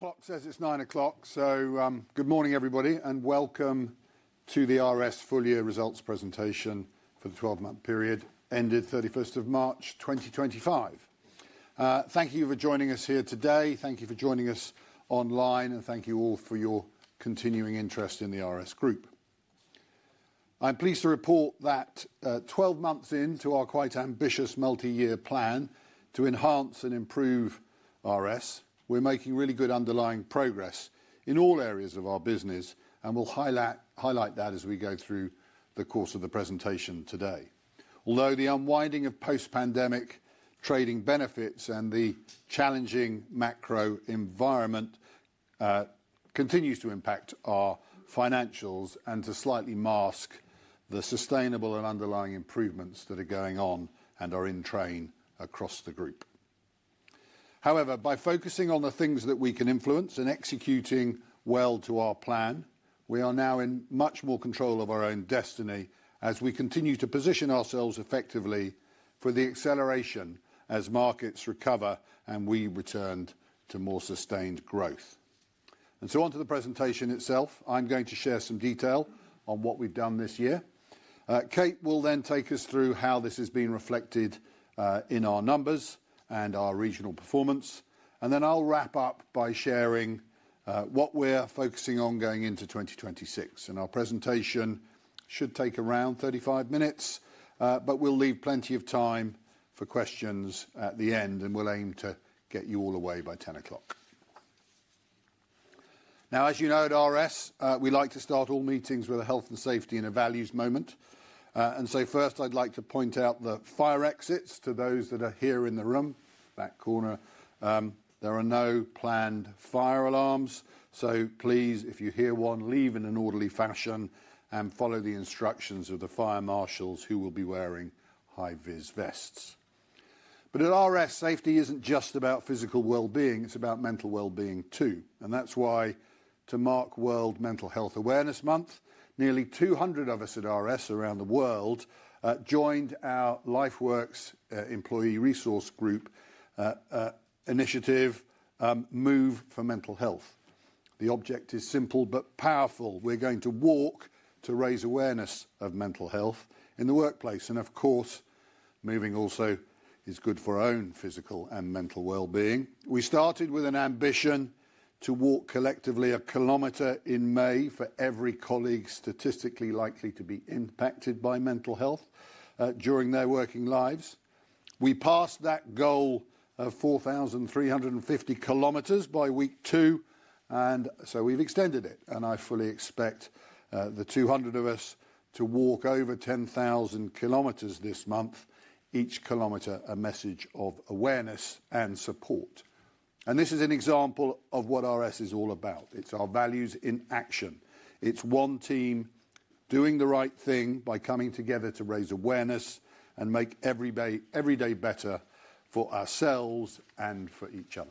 Clock says it's 9:00 A.M., so good morning everybody and welcome to the RS full-year results presentation for the 12-month period ended 31st of March 2025. Thank you for joining us here today, thank you for joining us online, and thank you all for your continuing interest in the RS Group. I'm pleased to report that, 12 months into our quite ambitious multi-year plan to enhance and improve RS, we're making really good underlying progress in all areas of our business, and we'll highlight that as we go through the course of the presentation today. Although the unwinding of post-pandemic trading benefits and the challenging macro environment continues to impact our financials and to slightly mask the sustainable and underlying improvements that are going on and are in train across the group. However, by focusing on the things that we can influence and executing well to our plan, we are now in much more control of our own destiny as we continue to position ourselves effectively for the acceleration as markets recover and we return to more sustained growth. Onto the presentation itself, I'm going to share some detail on what we've done this year. Kate will then take us through how this has been reflected in our numbers and our regional performance, and then I'll wrap up by sharing what we're focusing on going into 2026. Our presentation should take around 35 minutes, but we'll leave plenty of time for questions at the end, and we'll aim to get you all away by 10:00 A.M. Now, as you know, at RS, we like to start all meetings with a health and safety and a values moment. First I'd like to point out the fire exits to those that are here in the room, that corner. There are no planned fire alarms, so please, if you hear one, leave in an orderly fashion and follow the instructions of the fire marshals who will be wearing high-vis vests. At RS, safety isn't just about physical well-being, it's about mental well-being too. That's why, to mark World Mental Health Awareness Month, nearly 200 of us at RS around the world joined our LifeWorks Employee Resource Group initiative, Move for Mental Health. The object is simple but powerful. We're going to walk to raise awareness of mental health in the workplace, and of course, moving also is good for our own physical and mental well-being. We started with an ambition to walk collectively a kilometer in May for every colleague statistically likely to be impacted by mental health, during their working lives. We passed that goal of 4,350 km by week two, and we have extended it. I fully expect the 200 of us to walk over 10,000 km this month, each kilometer a message of awareness and support. This is an example of what RS is all about. It is our values in action. It is one team doing the right thing by coming together to raise awareness and make every day better for ourselves and for each other.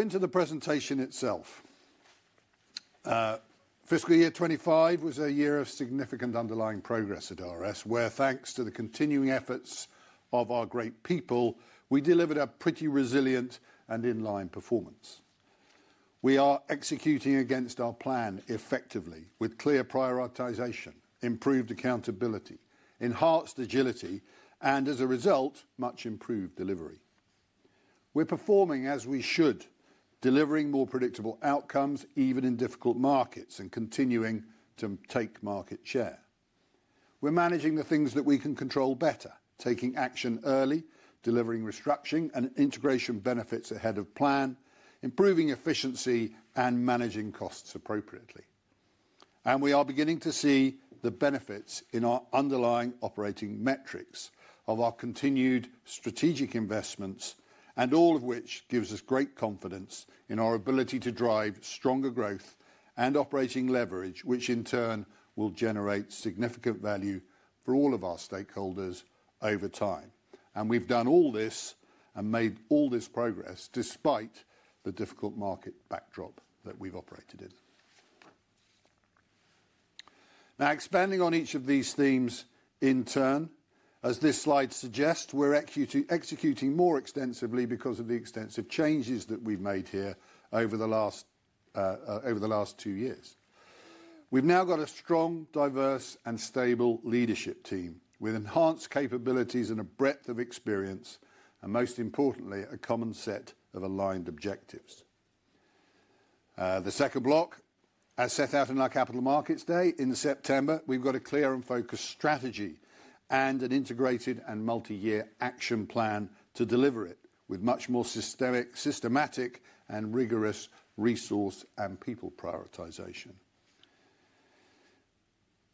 Into the presentation itself, fiscal year 2025 was a year of significant underlying progress at RS, where, thanks to the continuing efforts of our great people, we delivered a pretty resilient and inline performance. We are executing against our plan effectively, with clear prioritization, improved accountability, enhanced agility, and as a result, much improved delivery. We are performing as we should, delivering more predictable outcomes even in difficult markets and continuing to take market share. We are managing the things that we can control better, taking action early, delivering restructuring and integration benefits ahead of plan, improving efficiency, and managing costs appropriately. We are beginning to see the benefits in our underlying operating metrics of our continued strategic investments, all of which gives us great confidence in our ability to drive stronger growth and operating leverage, which in turn will generate significant value for all of our stakeholders over time. We have done all this and made all this progress despite the difficult market backdrop that we have operated in. Now, expanding on each of these themes in turn, as this slide suggests, we're executing more extensively because of the extensive changes that we've made here over the last two years. We've now got a strong, diverse, and stable leadership team with enhanced capabilities and a breadth of experience, and most importantly, a common set of aligned objectives. The second block, as set out in our Capital Markets Day in September, we've got a clear and focused strategy and an integrated and multi-year action plan to deliver it with much more systemic, systematic, and rigorous resource and people prioritization.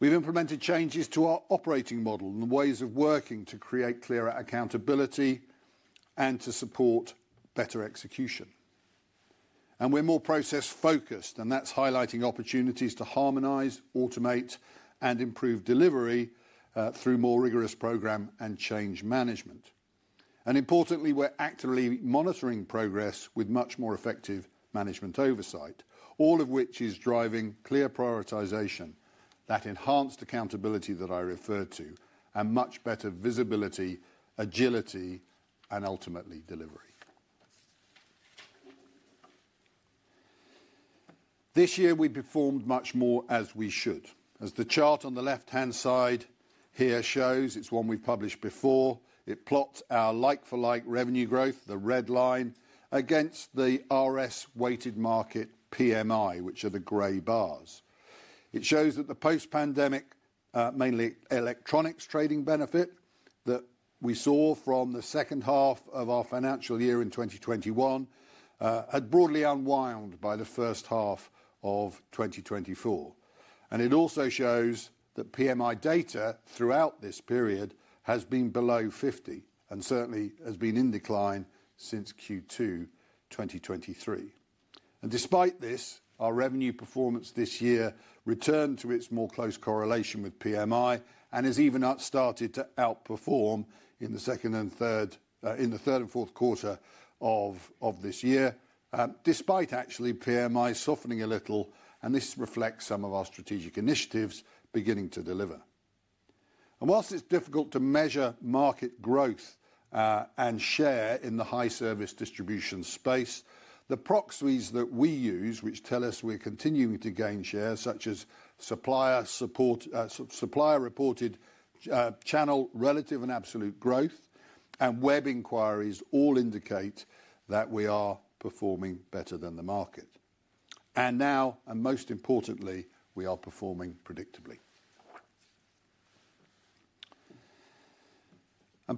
We've implemented changes to our operating model and the ways of working to create clearer accountability and to support better execution. We're more process-focused, and that's highlighting opportunities to harmonize, automate, and improve delivery, through more rigorous program and change management. Importantly, we're actively monitoring progress with much more effective management oversight, all of which is driving clear prioritization, that enhanced accountability that I referred to, and much better visibility, agility, and ultimately delivery. This year, we performed much more as we should. As the chart on the left-hand side here shows, it's one we've published before. It plots our like-for-like revenue growth, the red line, against the RS weighted market PMI, which are the gray bars. It shows that the post-pandemic, mainly electronics trading benefit that we saw from the second half of our financial year in 2021, had broadly unwound by the first half of 2024. It also shows that PMI data throughout this period has been below 50 and certainly has been in decline since Q2 2023. Despite this, our revenue performance this year returned to its more close correlation with PMI and has even started to outperform in the third and fourth quarter of this year, despite PMI softening a little. This reflects some of our strategic initiatives beginning to deliver. Whilst it is difficult to measure market growth and share in the high service distribution space, the proxies that we use, which tell us we are continuing to gain share, such as supplier support, supplier reported, channel relative and absolute growth, and web inquiries, all indicate that we are performing better than the market. Most importantly, we are performing predictably.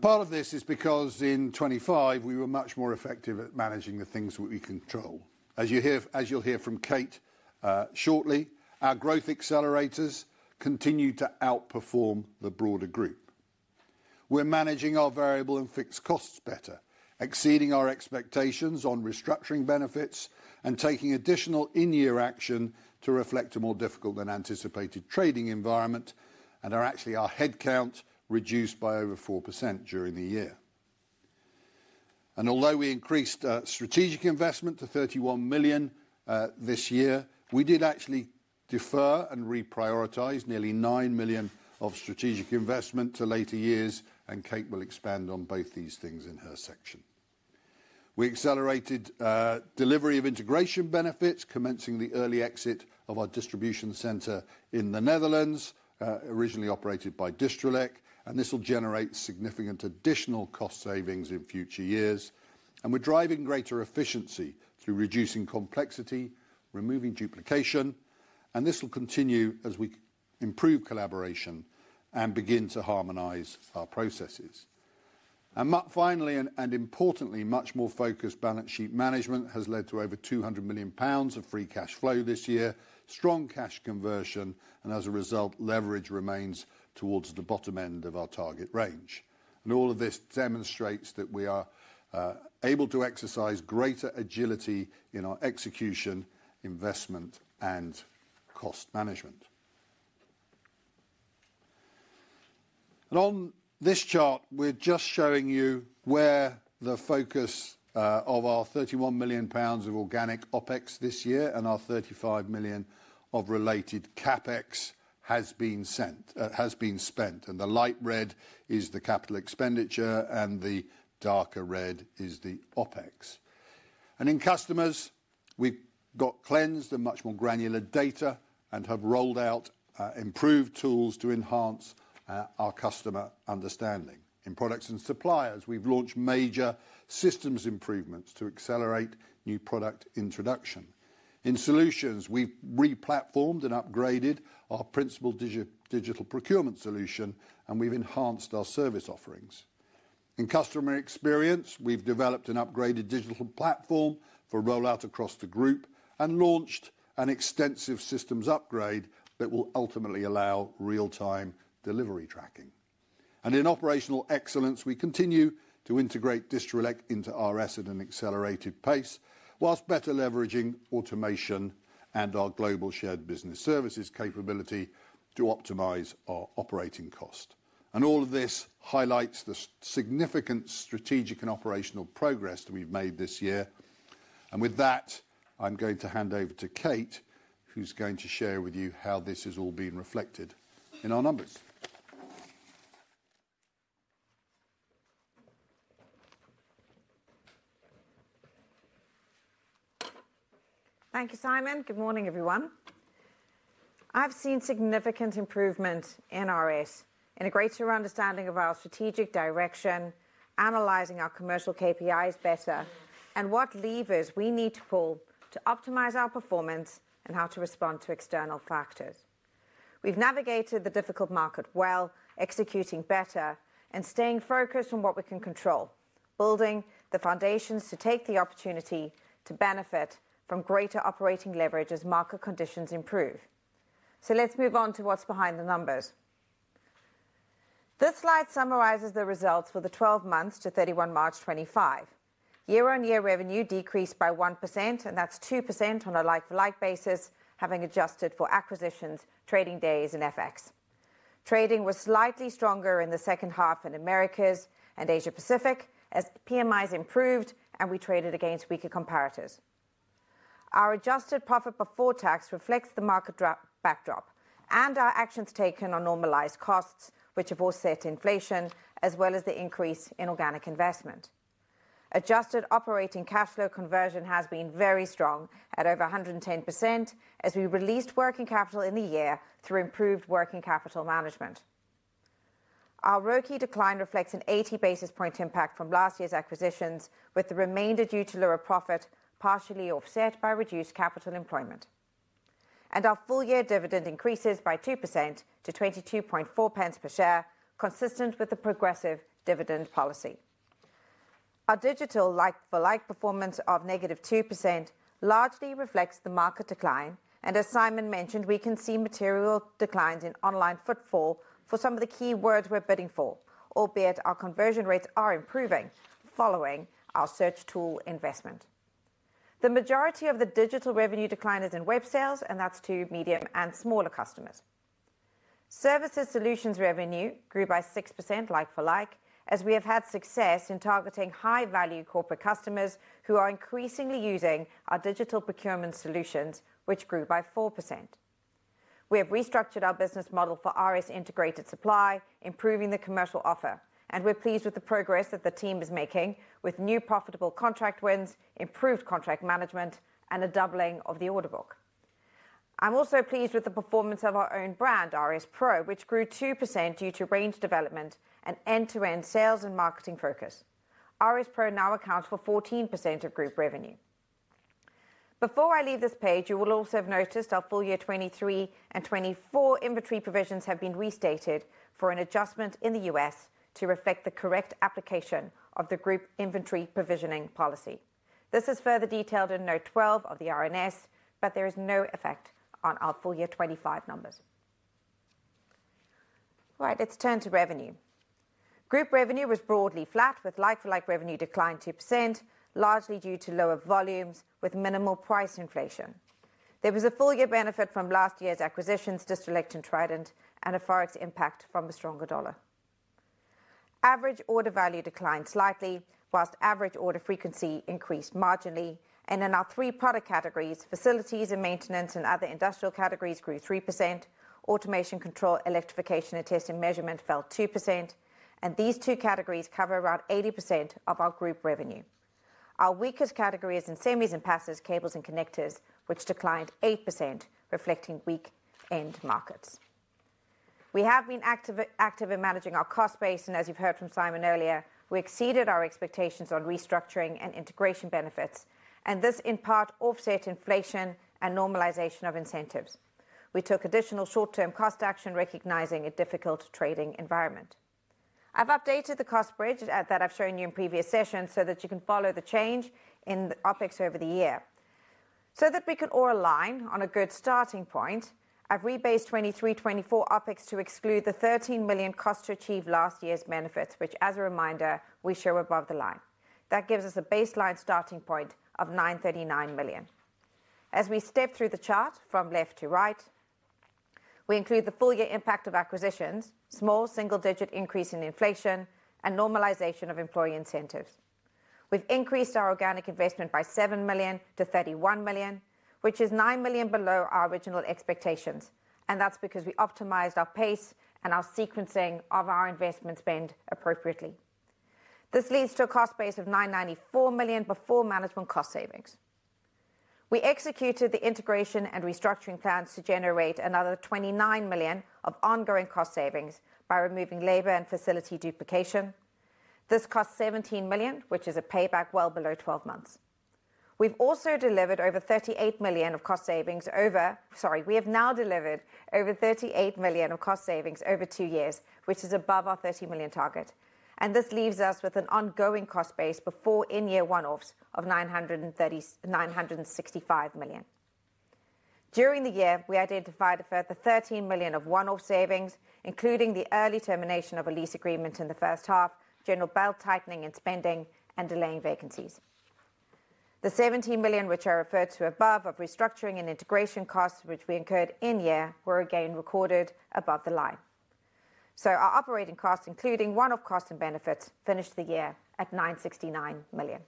Part of this is because in 2025, we were much more effective at managing the things that we control. As you hear, as you'll hear from Kate shortly, our growth accelerators continue to outperform the broader group. We're managing our variable and fixed costs better, exceeding our expectations on restructuring benefits and taking additional in-year action to reflect a more difficult than anticipated trading environment, and actually our headcount reduced by over 4% during the year. Although we increased strategic investment to 31 million this year, we did actually defer and reprioritize nearly 9 million of strategic investment to later years, and Kate will expand on both these things in her section. We accelerated delivery of integration benefits, commencing the early exit of our distribution center in the Netherlands, originally operated by Distrelec, and this will generate significant additional cost savings in future years. We are driving greater efficiency through reducing complexity, removing duplication, and this will continue as we improve collaboration and begin to harmonize our processes. Finally, and importantly, much more focused balance sheet management has led to over GBP 200 million of free cash flow this year, strong cash conversion, and as a result, leverage remains towards the bottom end of our target range. All of this demonstrates that we are able to exercise greater agility in our execution, investment, and cost management. On this chart, we are just showing you where the focus of our 31 million pounds of organic OpEx this year and our 35 million of related CapEx has been spent. The light red is the capital expenditure, and the darker red is the OpEx. In customers, we have got cleansed and much more granular data and have rolled out improved tools to enhance our customer understanding. In products and suppliers, we have launched major systems improvements to accelerate new product introduction. In solutions, we have replatformed and upgraded our principal digital procurement solution, and we have enhanced our service offerings. In customer experience, we have developed an upgraded digital platform for rollout across the group and launched an extensive systems upgrade that will ultimately allow real-time delivery tracking. In operational excellence, we continue to integrate Distrelec into RS at an accelerated pace whilst better leveraging automation and our global shared business services capability to optimize our operating cost. All of this highlights the significant strategic and operational progress that we have made this year. With that, I'm going to hand over to Kate, who's going to share with you how this has all been reflected in our numbers. Thank you, Simon. Good morning, everyone. I've seen significant improvement in RS and a greater understanding of our strategic direction, analyzing our commercial KPIs better, and what levers we need to pull to optimize our performance and how to respond to external factors. We've navigated the difficult market well, executing better and staying focused on what we can control, building the foundations to take the opportunity to benefit from greater operating leverage as market conditions improve. Let's move on to what's behind the numbers. This slide summarizes the results for the 12 months to 31 March 2025. Year-on-year revenue decreased by 1%, and that's 2% on a like-for-like basis, having adjusted for acquisitions, trading days, and FX. Trading was slightly stronger in the second half in the Americas and Asia-Pacific as PMIs improved, and we traded against weaker comparators. Our adjusted profit before tax reflects the market drop backdrop, and our actions taken on normalized costs, which have offset inflation as well as the increase in organic investment. Adjusted operating cash flow conversion has been very strong at over 110% as we released working capital in the year through improved working capital management. Our ROCE decline reflects an 80 basis point impact from last year's acquisitions, with the remainder due to lower profit partially offset by reduced capital employment. Our full-year dividend increases by 2% to 0.224 per share, consistent with the progressive dividend policy. Our digital like-for-like performance of negative 2% largely reflects the market decline. As Simon mentioned, we can see material declines in online footfall for some of the key words we are bidding for, albeit our conversion rates are improving following our search tool investment. The majority of the digital revenue decline is in web sales, and that is to medium and smaller customers. Services solutions revenue grew by 6% like-for-like as we have had success in targeting high-value corporate customers who are increasingly using our digital procurement solutions, which grew by 4%. We have restructured our business model for RS Integrated Supply, improving the commercial offer, and we are pleased with the progress that the team is making with new profitable contract wins, improved contract management, and a doubling of the order book. I am also pleased with the performance of our own brand, RS Pro, which grew 2% due to range development and end-to-end sales and marketing focus. RS Pro now accounts for 14% of group revenue. Before I leave this page, you will also have noticed our full-year 2023 and 2024 inventory provisions have been restated for an adjustment in the US to reflect the correct application of the group inventory provisioning policy. This is further detailed in note 12 of the RNS, but there is no effect on our full-year 2025 numbers. All right, let's turn to revenue. Group revenue was broadly flat with like-for-like revenue declined 2%, largely due to lower volumes with minimal price inflation. There was a full-year benefit from last year's acquisitions, Distrelec and Trident, and a forex impact from a stronger dollar. Average order value declined slightly, whilst average order frequency increased marginally. In our three product categories, facilities and maintenance and other industrial categories grew 3%. Automation control, electrification, and testing measurement fell 2%. These two categories cover around 80% of our group revenue. Our weakest category is in semis and passes, cables, and connectors, which declined 8%, reflecting weak end markets. We have been active in managing our cost base, and as you have heard from Simon earlier, we exceeded our expectations on restructuring and integration benefits, and this in part offset inflation and normalization of incentives. We took additional short-term cost action, recognizing a difficult trading environment. I have updated the cost bridge that I have shown you in previous sessions so that you can follow the change in the OpEx over the year. So that we can all align on a good starting point, I have rebased 2023-2024 OpEx to exclude the 13 million cost to achieve last year's benefits, which, as a reminder, we show above the line. That gives us a baseline starting point of 939 million. As we step through the chart from left to right, we include the full-year impact of acquisitions, small single-digit increase in inflation, and normalization of employee incentives. We've increased our organic investment by 7 million to 31 million, which is 9 million below our original expectations, and that's because we optimized our pace and our sequencing of our investment spend appropriately. This leads to a cost base of 994 million before management cost savings. We executed the integration and restructuring plans to generate another 29 million of ongoing cost savings by removing labor and facility duplication. This costs 17 million, which is a payback well below 12 months. We've also delivered over 38 million of cost savings over, sorry, we have now delivered over 38 million of cost savings over two years, which is above our 30 million target. This leaves us with an ongoing cost base before in-year one-offs of 930 million-965 million. During the year, we identified a further 13 million of one-off savings, including the early termination of a lease agreement in the first half, general belt tightening in spending, and delaying vacancies. The 17 million, which I referred to above, of restructuring and integration costs, which we incurred in-year, were again recorded above the line. Our operating cost, including one-off costs and benefits, finished the year at 969 million.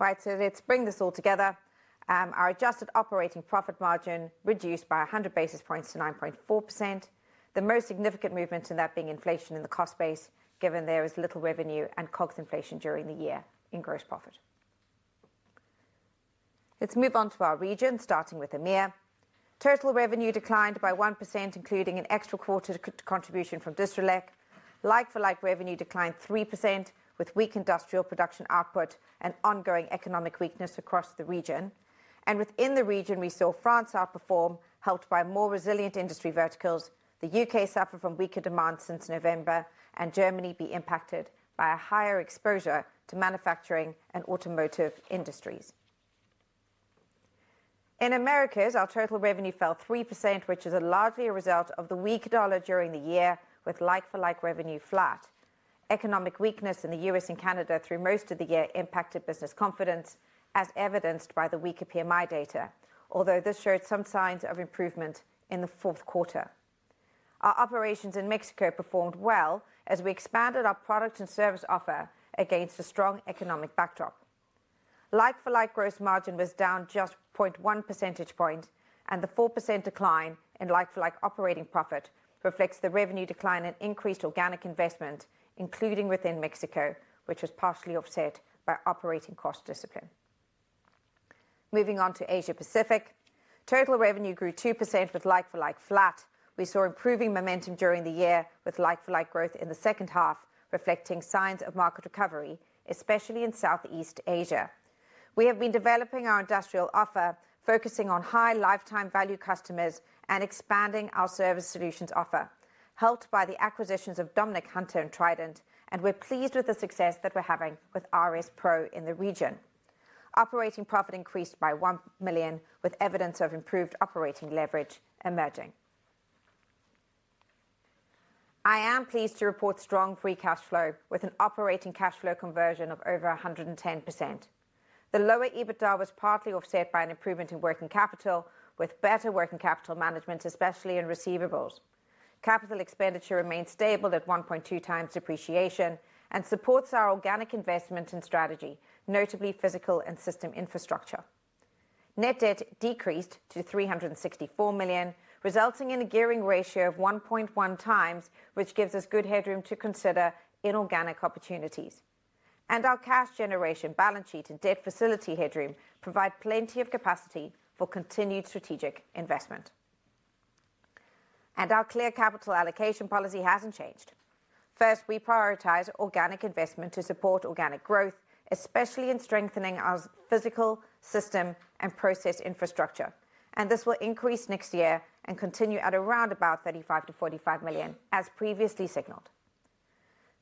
Right, let's bring this all together. Our adjusted operating profit margin reduced by 100 basis points to 9.4%. The most significant movement in that being inflation in the cost base, given there is little revenue and COGS inflation during the year in gross profit. Let's move on to our region, starting with EMEA. Total revenue declined by 1%, including an extra quarter contribution from Distrelec. Like-for-like revenue declined 3% with weak industrial production output and ongoing economic weakness across the region. Within the region, we saw France outperform, helped by more resilient industry verticals. The U.K. suffered from weaker demand since November, and Germany was impacted by a higher exposure to manufacturing and automotive industries. In the Americas, our total revenue fell 3%, which is largely a result of the weak dollar during the year, with like-for-like revenue flat. Economic weakness in the U.S. and Canada through most of the year impacted business confidence, as evidenced by the weaker PMI data, although this showed some signs of improvement in the fourth quarter. Our operations in Mexico performed well as we expanded our product and service offer against a strong economic backdrop. Like-for-like gross margin was down just 0.1 percentage point, and the 4% decline in like-for-like operating profit reflects the revenue decline and increased organic investment, including within Mexico, which was partially offset by operating cost discipline. Moving on to Asia-Pacific, total revenue grew 2% with like-for-like flat. We saw improving momentum during the year with like-for-like growth in the second half, reflecting signs of market recovery, especially in Southeast Asia. We have been developing our industrial offer, focusing on high lifetime value customers and expanding our service solutions offer, helped by the acquisitions of Dominic Hunter and Trident, and we're pleased with the success that we're having with RS Pro in the region. Operating profit increased by 1 million, with evidence of improved operating leverage emerging. I am pleased to report strong free cash flow with an operating cash flow conversion of over 110%. The lower EBITDA was partly offset by an improvement in working capital, with better working capital management, especially in receivables. Capital expenditure remained stable at 1.2x depreciation and supports our organic investment and strategy, notably physical and system infrastructure. Net debt decreased to 364 million, resulting in a gearing ratio of 1.1x, which gives us good headroom to consider inorganic opportunities. Our cash generation, balance sheet, and debt facility headroom provide plenty of capacity for continued strategic investment. Our clear capital allocation policy has not changed. First, we prioritize organic investment to support organic growth, especially in strengthening our physical, system, and process infrastructure. This will increase next year and continue at around 35 million-45 million, as previously signaled.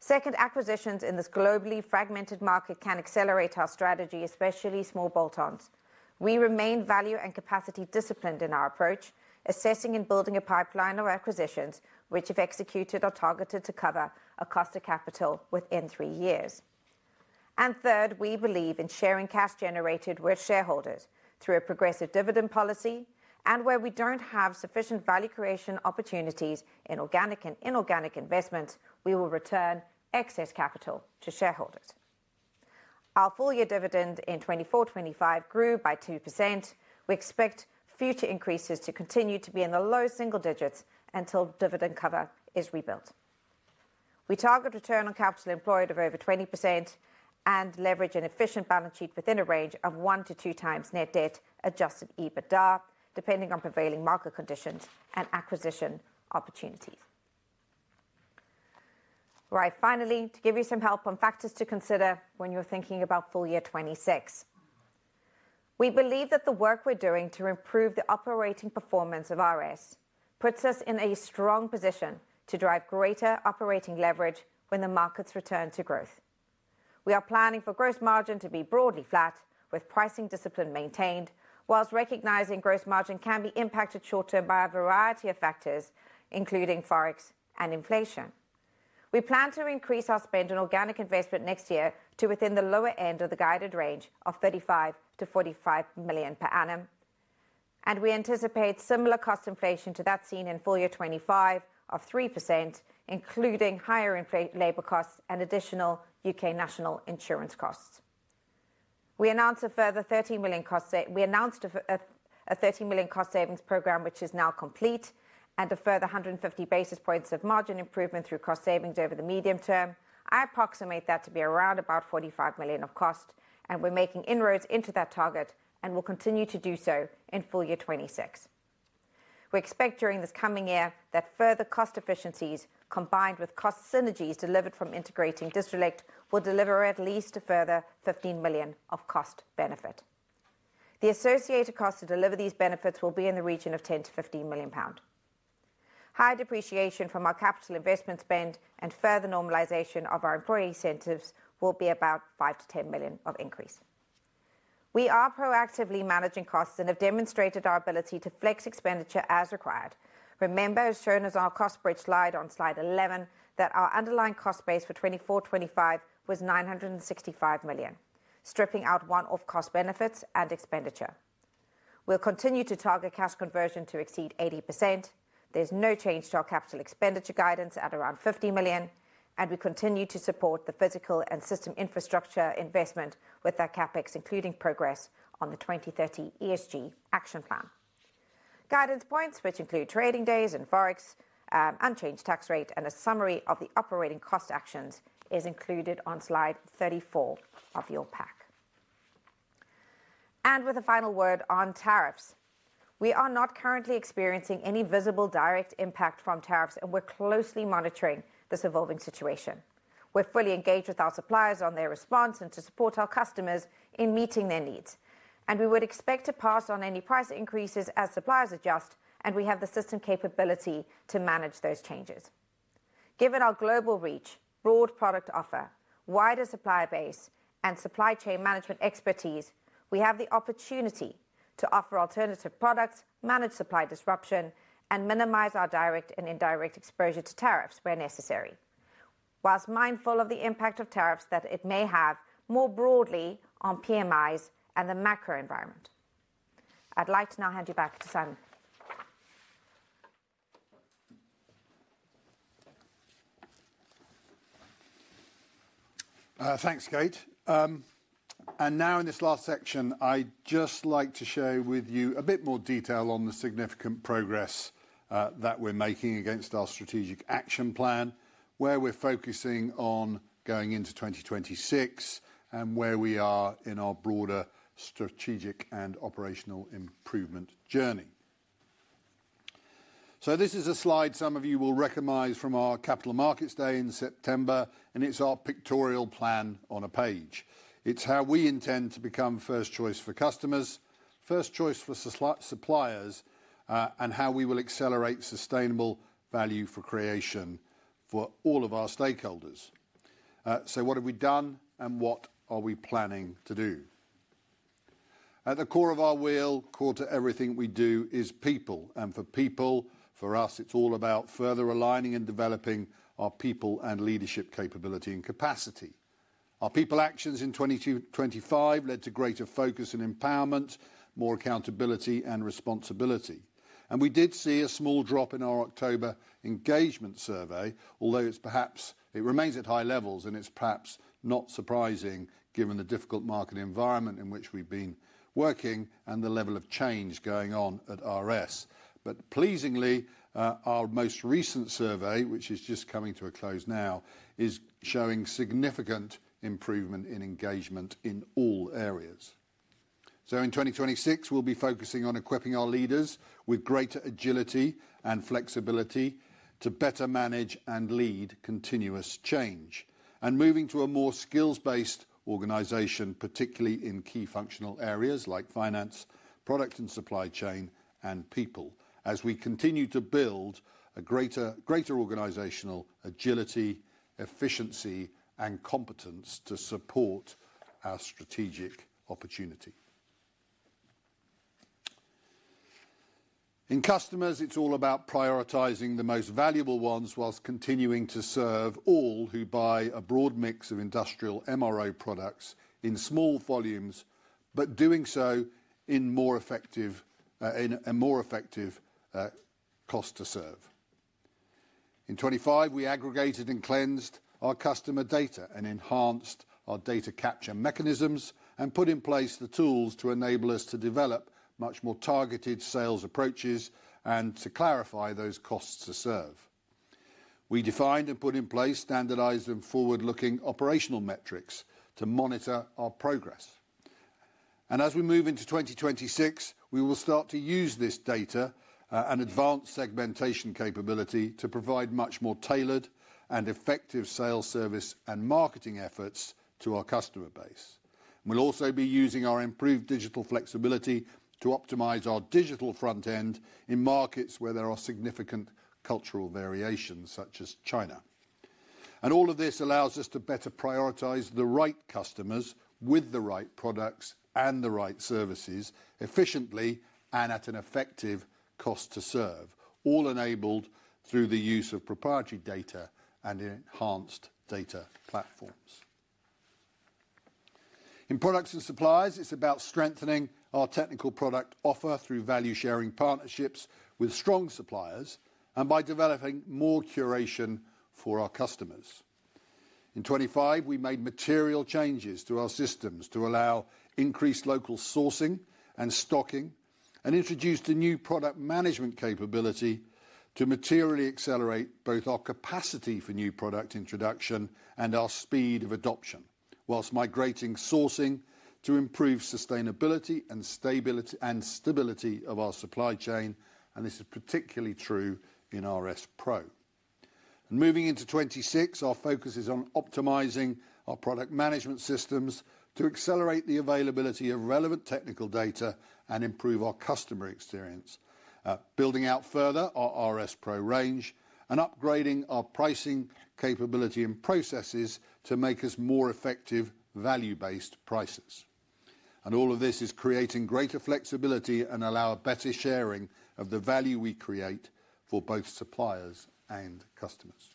Second, acquisitions in this globally fragmented market can accelerate our strategy, especially small bolt-ons. We remain value and capacity disciplined in our approach, assessing and building a pipeline of acquisitions which have executed or targeted to cover a cost of capital within three years. Third, we believe in sharing cash generated with shareholders through a progressive dividend policy, and where we do not have sufficient value creation opportunities in organic and inorganic investments, we will return excess capital to shareholders. Our full-year dividend in 2024-2025 grew by 2%. We expect future increases to continue to be in the low single digits until dividend cover is rebuilt. We target return on capital employed of over 20% and leverage an efficient balance sheet within a range of one to two times net debt Adjusted EBITDA, depending on prevailing market conditions and acquisition opportunities. Right, finally, to give you some help on factors to consider when you are thinking about full-year 2026. We believe that the work we're doing to improve the operating performance of RS puts us in a strong position to drive greater operating leverage when the markets return to growth. We are planning for gross margin to be broadly flat, with pricing discipline maintained, whilst recognizing gross margin can be impacted short-term by a variety of factors, including forex and inflation. We plan to increase our spend on organic investment next year to within the lower end of the guided range of 35 million-45 million per annum. We anticipate similar cost inflation to that seen in full-year 2025 of 3%, including higher labor costs and additional U.K. national insurance costs. We announced a further 30 million cost. We announced a 30 million cost savings program, which is now complete, and a further 150 basis points of margin improvement through cost savings over the medium term. I approximate that to be around about 45 million of cost, and we're making inroads into that target and will continue to do so in full-year 2026. We expect during this coming year that further cost efficiencies combined with cost synergies delivered from integrating Distrelec will deliver at least a further 15 million of cost benefit. The associated cost to deliver these benefits will be in the region of 10 million-15 million pounds. Higher depreciation from our capital investment spend and further normalization of our employee incentives will be about 5 million-10 million of increase. We are proactively managing costs and have demonstrated our ability to flex expenditure as required. Remember, as shown as our cost bridge slide on slide 11, that our underlying cost base for 2024-2025 was 965 million, stripping out one-off cost benefits and expenditure. We'll continue to target cash conversion to exceed 80%. is no change to our capital expenditure guidance at around 50 million, and we continue to support the physical and system infrastructure investment with our CapEx, including progress on the 2030 ESG action plan. Guidance points, which include trading days and forex, unchanged tax rate, and a summary of the operating cost actions, is included on Slide 34 of your pack. With a final word on tariffs, we are not currently experiencing any visible direct impact from tariffs, and we are closely monitoring this evolving situation. We are fully engaged with our suppliers on their response and to support our customers in meeting their needs. We would expect to pass on any price increases as suppliers adjust, and we have the system capability to manage those changes. Given our global reach, broad product offer, wider supplier base, and supply chain management expertise, we have the opportunity to offer alternative products, manage supply disruption, and minimize our direct and indirect exposure to tariffs where necessary, whilst mindful of the impact of tariffs that it may have more broadly on PMIs and the macro environment. I'd like to now hand you back to Simon. Thanks, Kate. In this last section, I'd just like to share with you a bit more detail on the significant progress that we're making against our strategic action plan, where we're focusing on going into 2026 and where we are in our broader strategic and operational improvement journey. This is a slide some of you will recognize from our Capital Markets Day in September, and it's our pictorial plan on a page. It's how we intend to become first choice for customers, first choice for suppliers, and how we will accelerate sustainable value creation for all of our stakeholders. What have we done and what are we planning to do? At the core of our wheel, core to everything we do, is people. For people, for us, it's all about further aligning and developing our people and leadership capability and capacity. Our people actions in 2025 led to greater focus and empowerment, more accountability and responsibility. We did see a small drop in our October engagement survey, although it remains at high levels, and it's perhaps not surprising given the difficult market environment in which we've been working and the level of change going on at RS. Pleasingly, our most recent survey, which is just coming to a close now, is showing significant improvement in engagement in all areas. In 2026, we'll be focusing on equipping our leaders with greater agility and flexibility to better manage and lead continuous change, and moving to a more skills-based organization, particularly in key functional areas like finance, product and supply chain, and people, as we continue to build greater organizational agility, efficiency, and competence to support our strategic opportunity. In customers, it's all about prioritizing the most valuable ones whilst continuing to serve all who buy a broad mix of industrial MRO products in small volumes, but doing so in a more effective, cost to serve. In 2025, we aggregated and cleansed our customer data and enhanced our data capture mechanisms and put in place the tools to enable us to develop much more targeted sales approaches and to clarify those costs to serve. We defined and put in place standardized and forward-looking operational metrics to monitor our progress. As we move into 2026, we will start to use this data, and advanced segmentation capability to provide much more tailored and effective sales service and marketing efforts to our customer base. We'll also be using our improved digital flexibility to optimize our digital front end in markets where there are significant cultural variations, such as China. All of this allows us to better prioritize the right customers with the right products and the right services efficiently and at an effective cost to serve, all enabled through the use of proprietary data and enhanced data platforms. In products and supplies, it is about strengthening our technical product offer through value-sharing partnerships with strong suppliers and by developing more curation for our customers. In 2025, we made material changes to our systems to allow increased local sourcing and stocking and introduced a new product management capability to materially accelerate both our capacity for new product introduction and our speed of adoption, whilst migrating sourcing to improve sustainability and stability of our supply chain. This is particularly true in RS Pro. Moving into 2026, our focus is on optimizing our product management systems to accelerate the availability of relevant technical data and improve our customer experience, building out further our RS Pro range and upgrading our pricing capability and processes to make us more effective value-based prices. All of this is creating greater flexibility and allowing better sharing of the value we create for both suppliers and customers.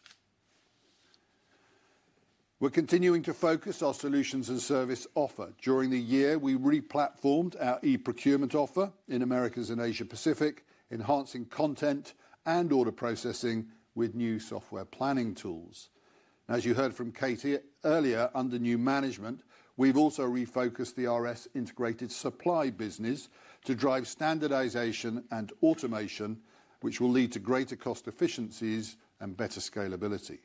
We're continuing to focus our solutions and service offer during the year. We replatformed our e-procurement offer in Americas and Asia-Pacific, enhancing content and order processing with new software planning tools. As you heard from Kate earlier, under new management, we've also refocused the RS Integrated Supply business to drive standardization and automation, which will lead to greater cost efficiencies and better scalability.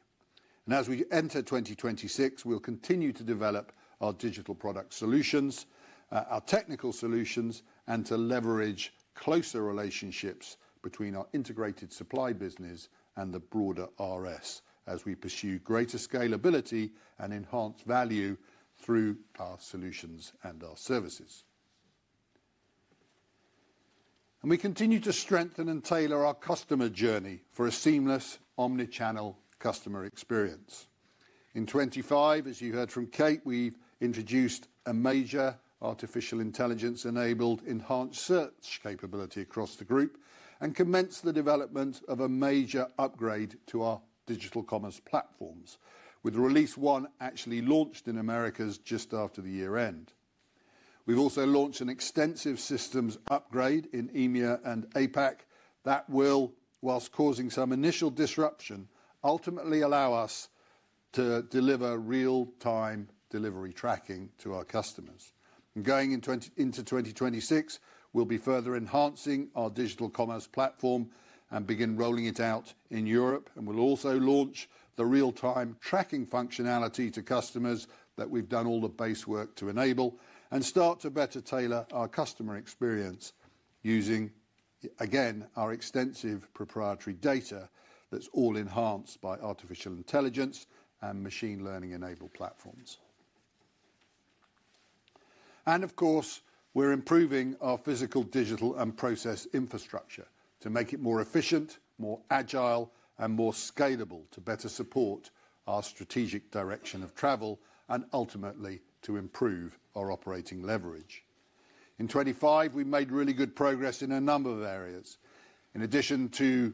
As we enter 2026, we'll continue to develop our digital product solutions, our technical solutions, and to leverage closer relationships between our integrated supply business and the broader RS as we pursue greater scalability and enhanced value through our solutions and our services. We continue to strengthen and tailor our customer journey for a seamless omnichannel customer experience. In 2025, as you heard from Kate, we've introduced a major artificial intelligence-enabled enhanced search capability across the group and commenced the development of a major upgrade to our digital commerce platforms, with Release One actually launched in Americas just after the year-end. We've also launched an extensive systems upgrade in EMEA and Asia-Pacific that will, whilst causing some initial disruption, ultimately allow us to deliver real-time delivery tracking to our customers. Going into 2026, we will be further enhancing our digital commerce platform and begin rolling it out in Europe. We will also launch the real-time tracking functionality to customers that we have done all the base work to enable and start to better tailor our customer experience using, again, our extensive proprietary data that is all enhanced by artificial intelligence and machine learning-enabled platforms. Of course, we are improving our physical, digital, and process infrastructure to make it more efficient, more agile, and more scalable to better support our strategic direction of travel and ultimately to improve our operating leverage. In 2025, we made really good progress in a number of areas. In addition to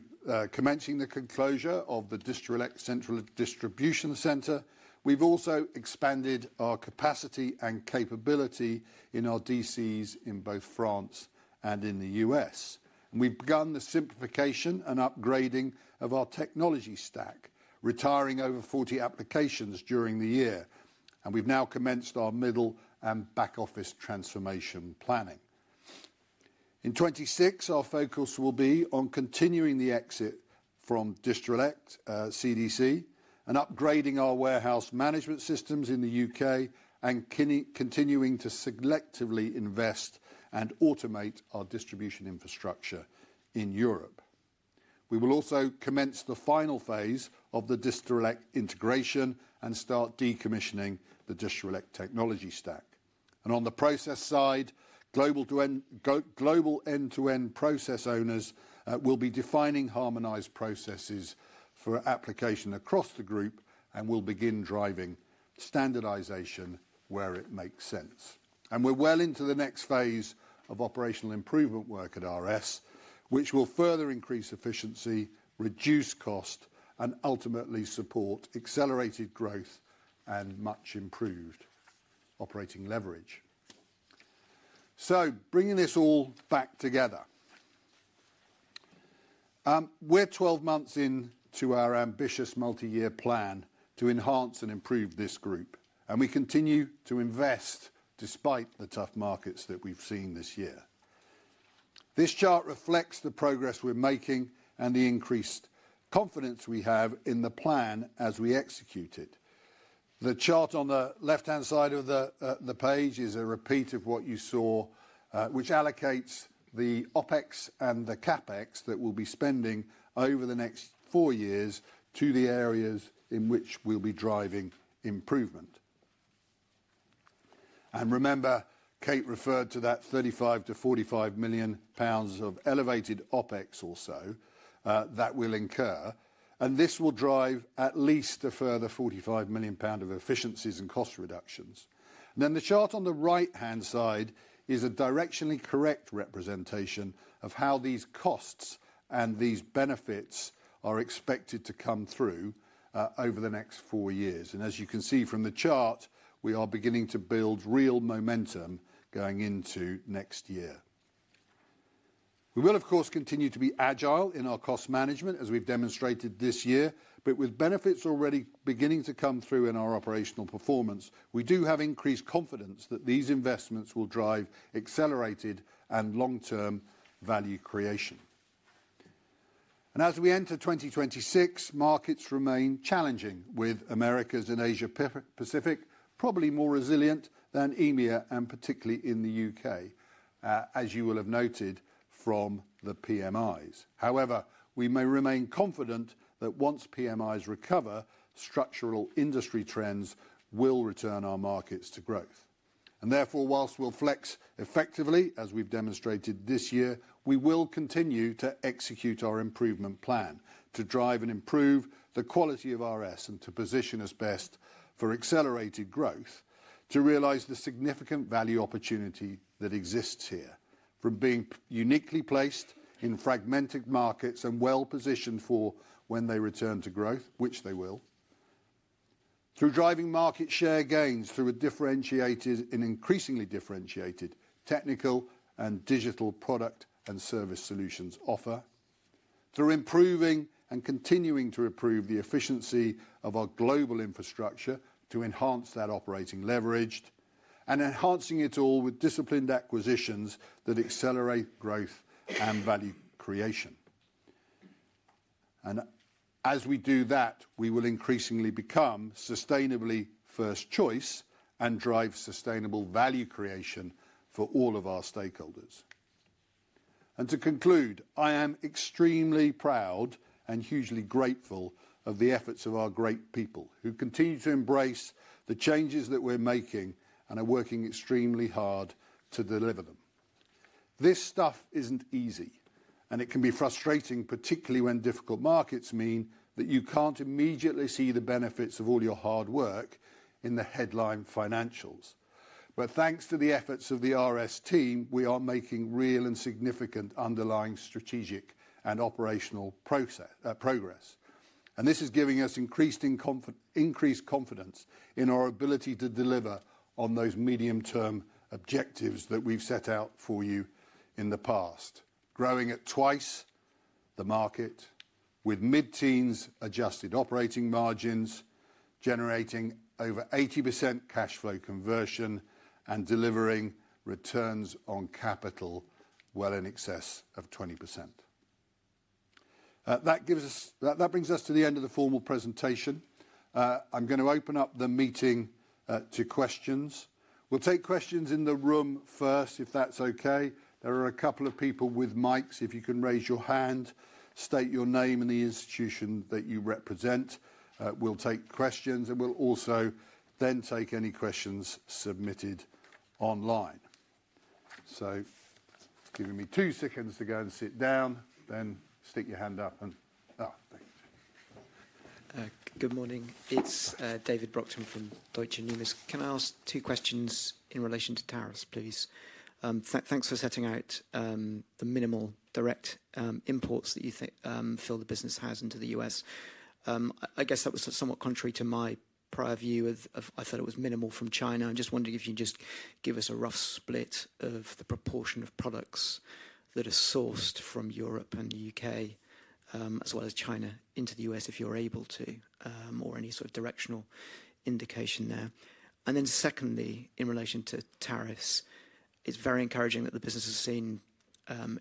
commencing the conclusion of the Distrelec Central Distribution Center, we have also expanded our capacity and capability in our DCs in both France and in the U.S. We have begun the simplification and upgrading of our technology stack, retiring over 40 applications during the year. We have now commenced our middle and back office transformation planning. In 2026, our focus will be on continuing the exit from Distrelec, CDC, and upgrading our warehouse management systems in the U.K. and continuing to selectively invest and automate our distribution infrastructure in Europe. We will also commence the final phase of the Distrelec integration and start decommissioning the Distrelec technology stack. On the process side, global end-to-end process owners will be defining harmonized processes for application across the group and will begin driving standardization where it makes sense. We are well into the next phase of operational improvement work at RS, which will further increase efficiency, reduce cost, and ultimately support accelerated growth and much improved operating leverage. Bringing this all back together, we're 12 months into our ambitious multi-year plan to enhance and improve this group, and we continue to invest despite the tough markets that we've seen this year. This chart reflects the progress we're making and the increased confidence we have in the plan as we execute it. The chart on the left-hand side of the page is a repeat of what you saw, which allocates the OpEx and the CapEx that we'll be spending over the next four years to the areas in which we'll be driving improvement. Remember, Kate referred to that 35 million-45 million pounds of elevated OpEx or so that we'll incur, and this will drive at least a further 45 million pound of efficiencies and cost reductions. The chart on the right-hand side is a directionally correct representation of how these costs and these benefits are expected to come through over the next four years. As you can see from the chart, we are beginning to build real momentum going into next year. We will, of course, continue to be agile in our cost management as we've demonstrated this year, but with benefits already beginning to come through in our operational performance, we do have increased confidence that these investments will drive accelerated and long-term value creation. As we enter 2026, markets remain challenging with Americas and Asia-Pacific, probably more resilient than EMEA and particularly in the U.K., as you will have noted from the PMIs. However, we remain confident that once PMIs recover, structural industry trends will return our markets to growth. Therefore, whilst we'll flex effectively as we've demonstrated this year, we will continue to execute our improvement plan to drive and improve the quality of RS and to position us best for accelerated growth, to realize the significant value opportunity that exists here, from being uniquely placed in fragmented markets and well-positioned for when they return to growth, which they will, through driving market share gains through a differentiated and increasingly differentiated technical and digital product and service solutions offer, through improving and continuing to improve the efficiency of our global infrastructure to enhance that operating leverage, and enhancing it all with disciplined acquisitions that accelerate growth and value creation. As we do that, we will increasingly become sustainably first choice and drive sustainable value creation for all of our stakeholders. To conclude, I am extremely proud and hugely grateful of the efforts of our great people who continue to embrace the changes that we're making and are working extremely hard to deliver them. This stuff isn't easy, and it can be frustrating, particularly when difficult markets mean that you can't immediately see the benefits of all your hard work in the headline financials. Thanks to the efforts of the RS team, we are making real and significant underlying strategic and operational progress. This is giving us increasing confidence in our ability to deliver on those medium-term objectives that we've set out for you in the past, growing at twice the market with mid-teens adjusted operating margins, generating over 80% cash flow conversion and delivering returns on capital well in excess of 20%. That brings us to the end of the formal presentation. I'm gonna open up the meeting to questions. We'll take questions in the room first, if that's okay. There are a couple of people with mics. If you can raise your hand, state your name and the institution that you represent. We'll take questions, and we'll also then take any questions submitted online. Give me two seconds to go and sit down, then stick your hand up and, oh, thank you. Good morning. It's David Brockton from Deutsche Numis. Can I ask two questions in relation to tariffs, please? Thanks for setting out the minimal direct imports that you think the business has into the US. I guess that was somewhat contrary to my prior view of, I thought it was minimal from China. I'm just wondering if you can just give us a rough split of the proportion of products that are sourced from Europe and the U.K., as well as China into the U.S., if you're able to, or any sort of directional indication there. Secondly, in relation to tariffs, it's very encouraging that the business has seen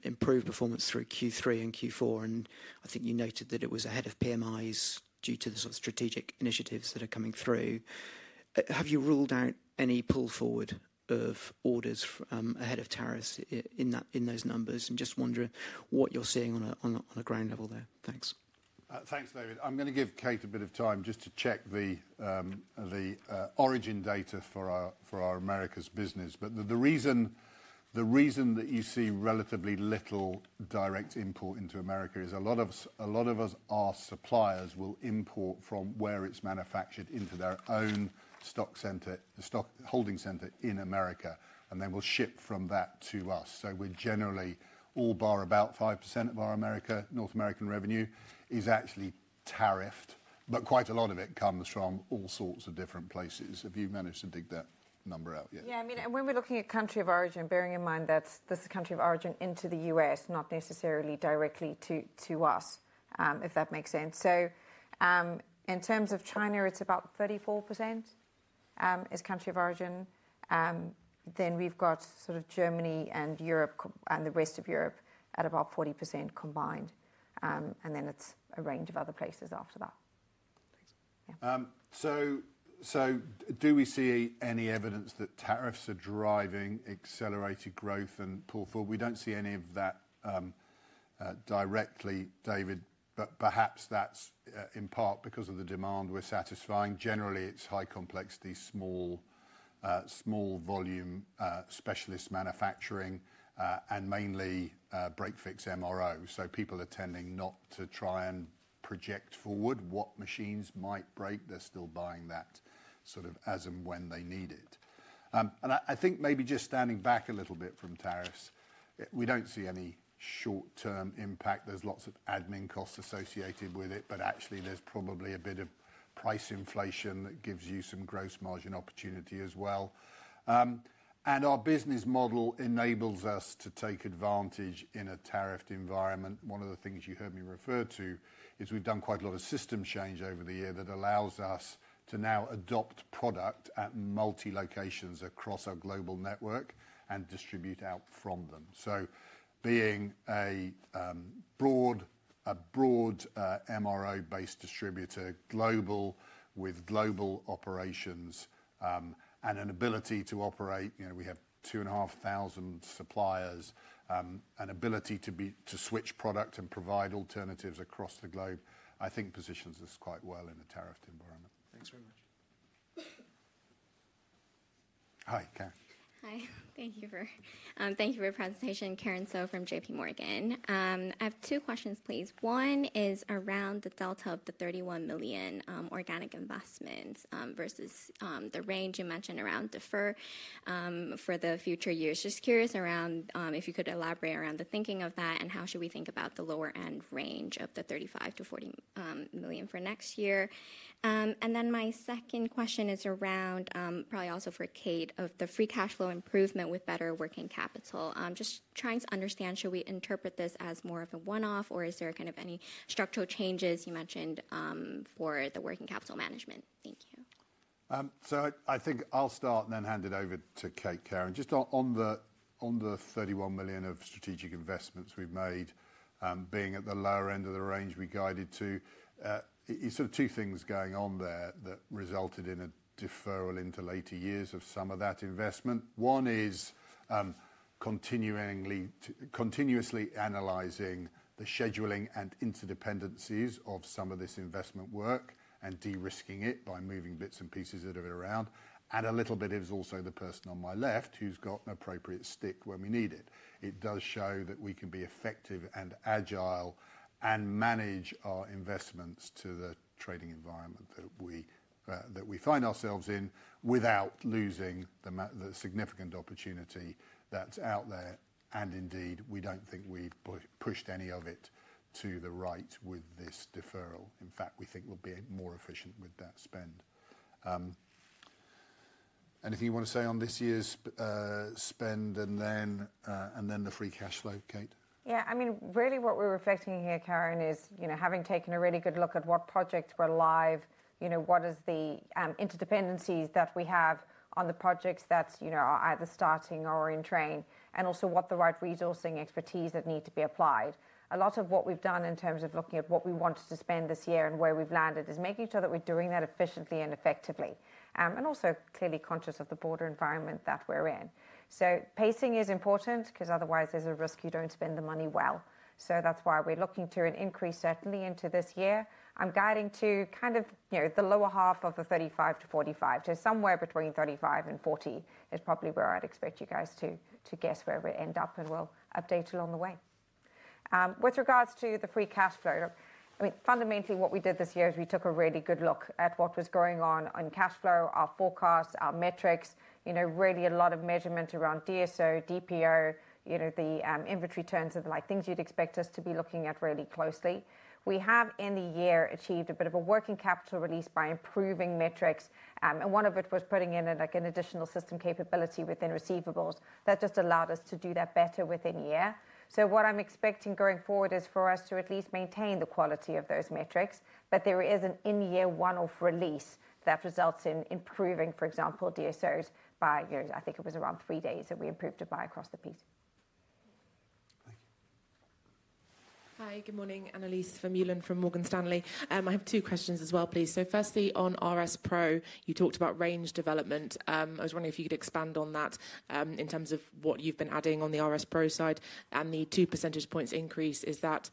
improved performance through Q3 and Q4. I think you noted that it was ahead of PMIs due to the sort of strategic initiatives that are coming through. Have you ruled out any pull forward of orders ahead of tariffs in those numbers? Just wondering what you're seeing on a ground level there. Thanks. Thanks, David. I'm gonna give Kate a bit of time just to check the origin data for our Americas business. The reason that you see relatively little direct import into America is a lot of our suppliers will import from where it is manufactured into their own stock holding center in America, and then will ship from that to us. We are generally, all bar about 5% of our North America revenue is actually tariffed, but quite a lot of it comes from all sorts of different places. Have you managed to dig that number out yet? Yeah, I mean, and when we are looking at country of origin, bearing in mind this is country of origin into the US, not necessarily directly to us, if that makes sense. In terms of China, it is about 34% as country of origin. Then we have got sort of Germany and the rest of Europe at about 40% combined and then it's a range of other places after that. Thanks. Yeah. So, do we see any evidence that tariffs are driving accelerated growth and pull forward? We do not see any of that, directly, David, but perhaps that's, in part because of the demand we're satisfying. Generally, it's high complexity, small, small volume, specialist manufacturing, and mainly, break fix MRO. So people are tending not to try and project forward what machines might break. They're still buying that sort of as and when they need it. And I, I think maybe just standing back a little bit from tariffs, we do not see any short-term impact. There's lots of admin costs associated with it, but actually there's probably a bit of price inflation that gives you some gross margin opportunity as well. And our business model enables us to take advantage in a tariffed environment. One of the things you heard me refer to is we've done quite a lot of system change over the year that allows us to now adopt product at multi-locations across our global network and distribute out from them. Being a broad MRO-based distributor, global with global operations, and an ability to operate, you know, we have two and a half thousand suppliers, an ability to switch product and provide alternatives across the globe, I think positions us quite well in a tariffed environment. Thanks very much. Hi, Karin. Hi. Thank you for, thank you for your presentation, Karin So from JPMorgan. I have two questions, please. One is around the delta of the 31 million organic investments versus the range you mentioned around defer for the future years. Just curious around, if you could elaborate around the thinking of that and how should we think about the lower end range of the 35 million-40 million for next year. My second question is around, probably also for Kate, of the free cash flow improvement with better working capital. Just trying to understand, should we interpret this as more of a one-off or is there kind of any structural changes you mentioned, for the working capital management? Thank you. I think I'll start and then hand it over to Kate, Karen. Just on the 31 million of strategic investments we've made, being at the lower end of the range we guided to, it's sort of two things going on there that resulted in a deferral into later years of some of that investment. One is, continuously analyzing the scheduling and interdependencies of some of this investment work and de-risking it by moving bits and pieces that are around. A little bit is also the person on my left who's got an appropriate stick when we need it. It does show that we can be effective and agile and manage our investments to the trading environment that we find ourselves in without losing the significant opportunity that's out there. Indeed, we don't think we've pushed any of it to the right with this deferral. In fact, we think we'll be more efficient with that spend. Anything you wanna say on this year's spend and then the free cash flow, Kate? Yeah, I mean, really what we're reflecting here, Karen, is, you know, having taken a really good look at what projects were live, you know, what is the interdependencies that we have on the projects that, you know, are either starting or in train, and also what the right resourcing expertise that need to be applied. A lot of what we've done in terms of looking at what we want to spend this year and where we've landed is making sure that we're doing that efficiently and effectively, and also clearly conscious of the broader environment that we're in. Pacing is important 'cause otherwise there's a risk you don't spend the money well. That's why we're looking to an increase certainly into this year. I'm guiding to kind of, you know, the lower half of the 35 million- 45 million. Somewhere between 35 million and 40 million is probably where I'd expect you guys to guess where we end up and we'll update along the way. With regards to the free cash flow, I mean, fundamentally what we did this year is we took a really good look at what was going on on cash flow, our forecasts, our metrics, you know, really a lot of measurement around DSO, DPO, you know, the inventory terms and the like, things you'd expect us to be looking at really closely. We have in the year achieved a bit of a working capital release by improving metrics, and one of it was putting in a, like an additional system capability within receivables that just allowed us to do that better within year. What I'm expecting going forward is for us to at least maintain the quality of those metrics, but there is an in-year one-off release that results in improving, for example, DSOs by, you know, I think it was around three days that we improved it by across the piece. Thank you. Hi, good morning. Annelies Vermeulen from Morgan Stanley. I have two questions as well, please. Firstly, on RS Pro, you talked about range development. I was wondering if you could expand on that, in terms of what you've been adding on the RS Pro side and the two percentage points increase. Is that,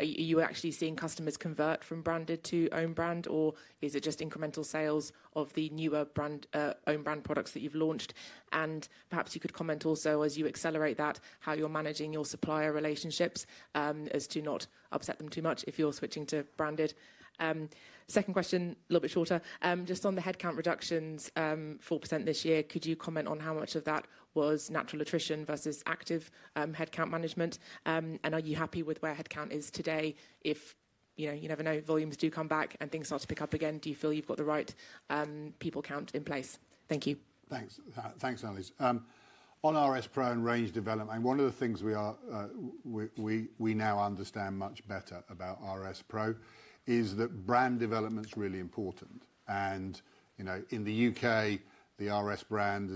you were actually seeing customers convert from branded to own brand, or is it just incremental sales of the newer brand, own brand products that you've launched? Perhaps you could comment also as you accelerate that, how you're managing your supplier relationships, as to not upset them too much if you are switching to branded. Second question, a little bit shorter. Just on the headcount reductions, 4% this year, could you comment on how much of that was natural attrition versus active headcount management? And are you happy with where headcount is today? If, you know, you never know, volumes do come back and things start to pick up again, do you feel you've got the right people count in place? Thank you. Thanks. Thanks, Annelies. On RS Pro and range development, one of the things we are, we now understand much better about RS Pro is that brand development's really important. And, you know, in the U.K., the RS brand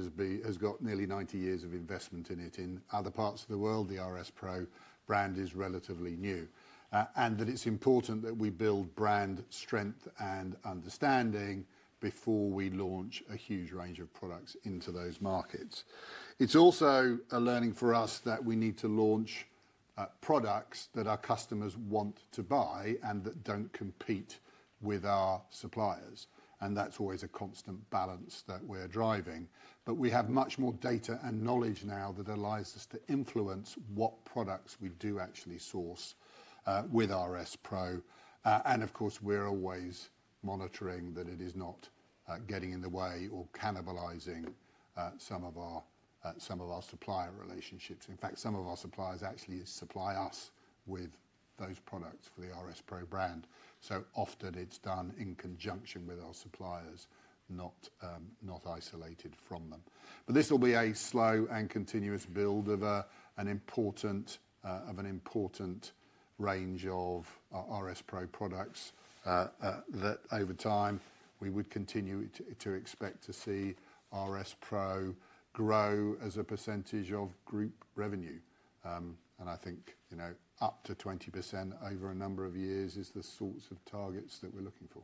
has got nearly 90 years of investment in it. In other parts of the world, the RS Pro brand is relatively new, and it's important that we build brand strength and understanding before we launch a huge range of products into those markets. It's also a learning for us that we need to launch products that our customers want to buy and that don't compete with our suppliers. That's always a constant balance that we are driving. We have much more data and knowledge now that allows us to influence what products we do actually source with RS Pro. Of course, we are always monitoring that it is not getting in the way or cannibalizing some of our supplier relationships. In fact, some of our suppliers actually supply us with those products for the RS Pro brand. Often it's done in conjunction with our suppliers, not isolated from them. This will be a slow and continuous build of an important range of RS Pro products that, over time, we would continue to expect to see RS Pro grow as a percentage of group revenue. I think, you know, up to 20% over a number of years is the sort of target that we're looking for.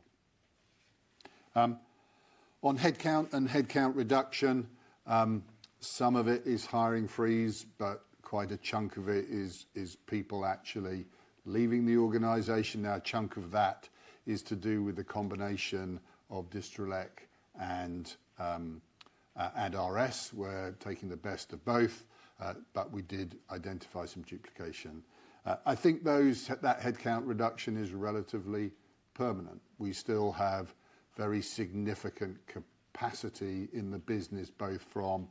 On headcount and headcount reduction, some of it is hiring freeze, but quite a chunk of it is people actually leaving the organization. Now, a chunk of that is to do with the combination of Distrelec and RS. We're taking the best of both, but we did identify some duplication. I think that headcount reduction is relatively permanent. We still have very significant capacity in the business, both from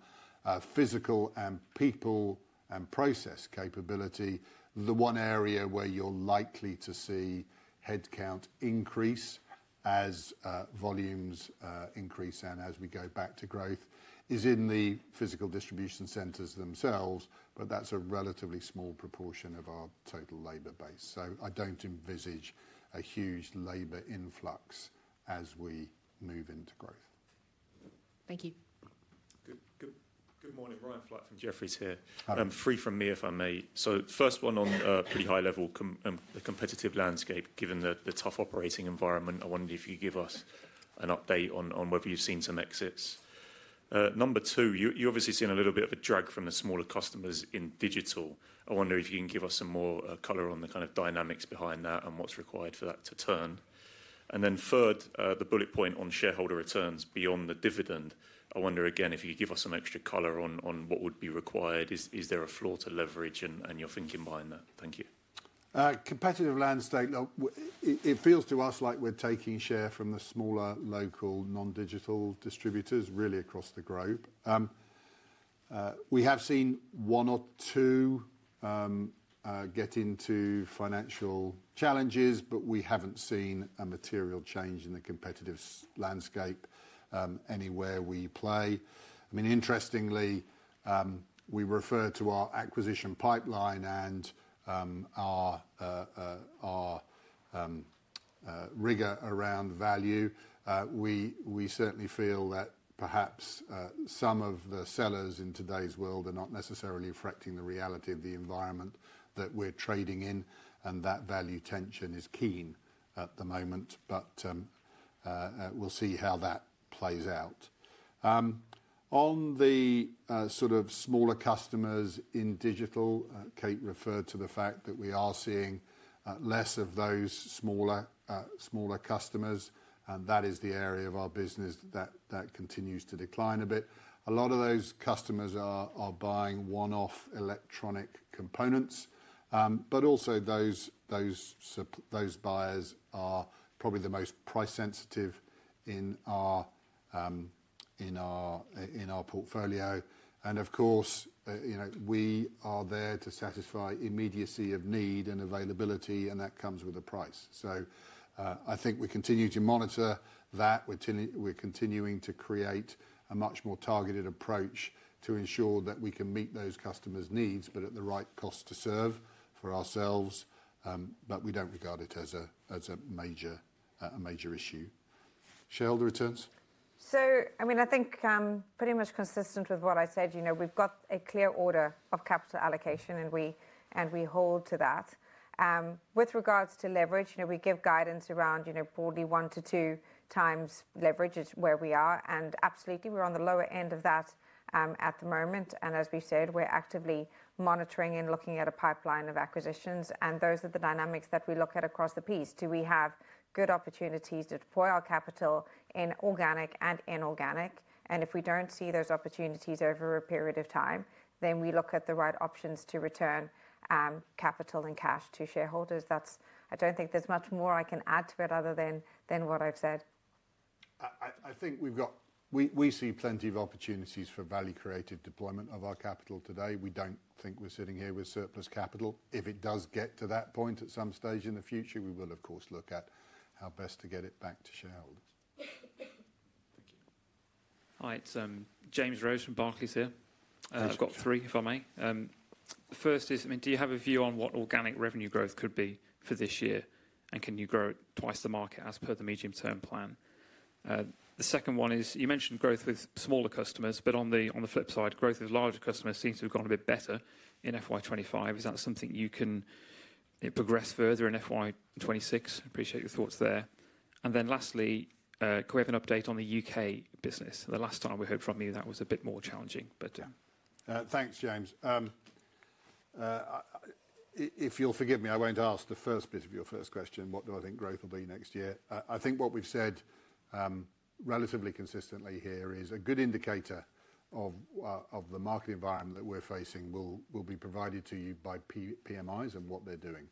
physical and people and process capability. The one area where you are likely to see headcount increase as volumes increase and as we go back to growth is in the physical distribution centers themselves, but that's a relatively small proportion of our total labor base. I don't envisage a huge labor influx as we move into growth. Thank you. Good morning. Ryan Flight from Jefferies here. Three from me if I may. First one on, pretty high level, the competitive landscape, given the tough operating environment. I wonder if you could give us an update on whether you've seen some exits. Number two, you obviously have seen a little bit of a drag from the smaller customers in digital. I wonder if you can give us some more color on the kind of dynamics behind that and what's required for that to turn. Then third, the bullet point on shareholder returns beyond the dividend. I wonder again if you could give us some extra color on what would be required. Is there a floor to leverage and your thinking behind that? Thank you. Competitive landscape. Now, it feels to us like we're taking share from the smaller local non-digital distributors really across the globe. We have seen one or two get into financial challenges, but we haven't seen a material change in the competitive landscape anywhere we play. I mean, interestingly, we refer to our acquisition pipeline and our rigor around value. We certainly feel that perhaps some of the sellers in today's world are not necessarily reflecting the reality of the environment that we are trading in, and that value tension is keen at the moment. We'll see how that plays out. On the, sort of smaller customers in digital, Kate referred to the fact that we are seeing less of those smaller customers. That is the area of our business that continues to decline a bit. A lot of those customers are buying one-off electronic components, but also those buyers are probably the most price sensitive in our portfolio. Of course, you know, we are there to satisfy immediacy of need and availability, and that comes with a price. I think we continue to monitor that. We're continuing to create a much more targeted approach to ensure that we can meet those customers' needs, but at the right cost to serve for ourselves. We do not regard it as a major issue. Shareholder returns. I mean, I think, pretty much consistent with what I said, you know, we've got a clear order of capital allocation and we hold to that. With regards to leverage, you know, we give guidance around, you know, broadly one to two times leverage is where we are. And absolutely, we're on the lower end of that at the moment. As we said, we're actively monitoring and looking at a pipeline of acquisitions. Those are the dynamics that we look at across the piece. Do we have good opportunities to deploy our capital in organic and inorganic? If we don't see those opportunities over a period of time, then we look at the right options to return capital and cash to shareholders. I don't think there's much more I can add to it other than what I've said. I think we've got, we see plenty of opportunities for value created deployment of our capital today. We don't think we're sitting here with surplus capital. If it does get to that point at some stage in the future, we will of course look at how best to get it back to shareholders. Thank you. Hi, it's James Rose from Barclays here. I've got three, if I may. The first is, I mean, do you have a view on what organic revenue growth could be for this year? And can you grow it twice the market as per the medium term plan? The second one is you mentioned growth with smaller customers, but on the flip side, growth with larger customers seems to have gone a bit better in FY 2025. Is that something you can, you know, progress further in FY 2026? Appreciate your thoughts there. And then lastly, could we have an update on the U.K. business? The last time we heard from you, that was a bit more challenging, but. Yeah. Thanks, James. I, if you'll forgive me, I won't ask the first bit of your first question. What do I think growth will be next year? I think what we've said, relatively consistently here is a good indicator of the market environment that we are facing will be provided to you by PMIs and what they're doing.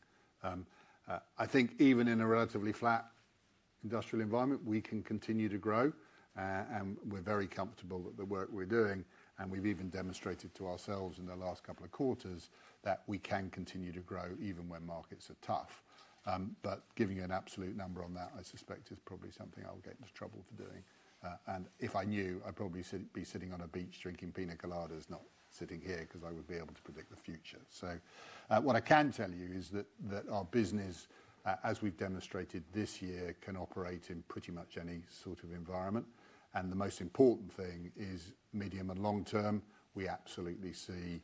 I think even in a relatively flat industrial environment, we can continue to grow. We are very comfortable that the work we are doing, and we've even demonstrated to ourselves in the last couple of quarters that we can continue to grow even when markets are tough. but giving you an absolute number on that, I suspect is probably something I'll get into trouble for doing. and if I knew, I'd probably be sitting on a beach drinking pina coladas, not sitting here 'cause I would be able to predict the future. What I can tell you is that our business, as we've demonstrated this year, can operate in pretty much any sort of environment. The most important thing is medium and long term. We absolutely see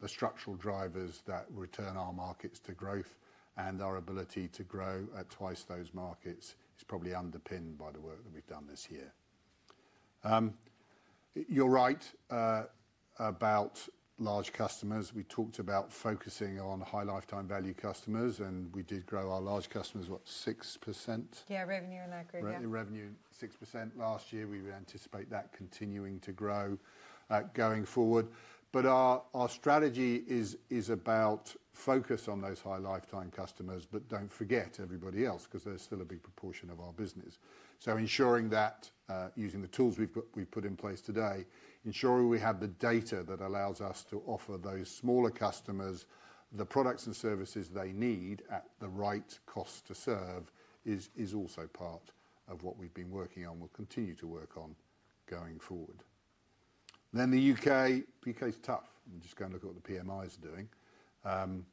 the structural drivers that return our markets to growth and our ability to grow at twice those markets is probably underpinned by the work that we've done this year. you are right, about large customers. We talked about focusing on high lifetime value customers, and we did grow our large customers, what, 6%? Yeah, revenue in that group. Revenue 6% last year. We would anticipate that continuing to grow, going forward. Our strategy is about focus on those high lifetime customers, but do not forget everybody else because there is still a big proportion of our business. Ensuring that, using the tools we have put in place today, ensuring we have the data that allows us to offer those smaller customers the products and services they need at the right cost to serve is also part of what we have been working on, and we will continue to work on going forward. The U.K. is tough. I am just going to look at what the PMIs are doing.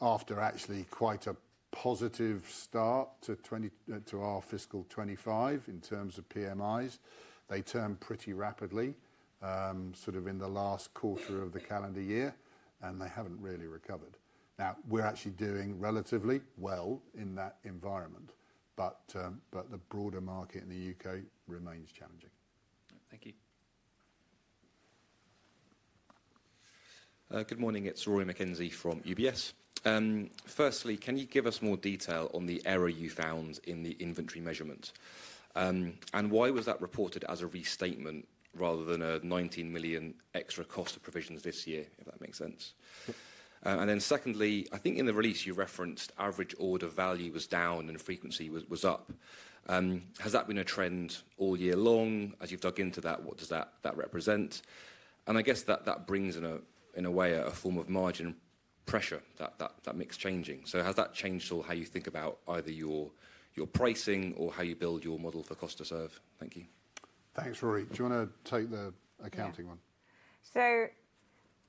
After actually quite a positive start to 2025, to our fiscal 2025 in terms of PMIs, they turned pretty rapidly, sort of in the last quarter of the calendar year, and they have not really recovered. Now we are actually doing relatively well in that environment, but the broader market in the U.K. remains challenging. All right. Thankyou. Good morning. It's Rory McKenzie from UBS. Firstly, can you give us more detail on the error you found in the inventory measurement? And why was that reported as a restatement rather than a 19 million extra cost of provisions this year, if that makes sense? And then secondly, I think in the release you referenced average order value was down and frequency was up. Has that been a trend all year long? As you've dug into that, what does that represent? And I guess that brings in, in a way, a form of margin pressure, that mix changing. Has that changed at all how you think about either your pricing or how you build your model for cost to serve? Thank you. Thanks, Rory. Do you want to take the accounting one?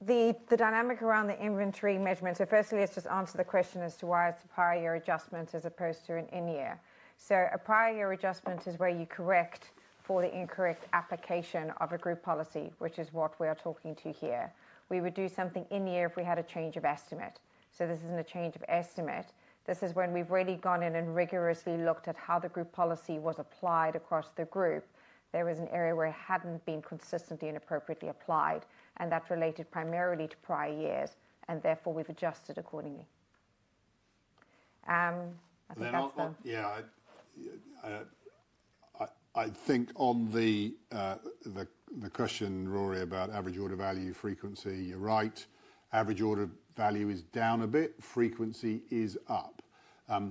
The dynamic around the inventory measurement, firstly, let's just answer the question as to why it is a prior year adjustment as opposed to an in-year. A prior year adjustment is where you correct for the incorrect application of a group policy, which is what we are talking to here. We would do something in year if we had a change of estimate. This is not a change of estimate. This is when we have really gone in and rigorously looked at how the group policy was applied across the group. There was an area where it had not been consistently and appropriately applied, and that related primarily to prior years, and therefore we have adjusted accordingly. I think that is one. Yeah. I think on the question, Rory, about average order value frequency, you are right. Average order value is down a bit. Frequency is up. A